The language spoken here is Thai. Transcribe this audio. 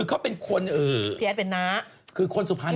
ก็เป็นแอ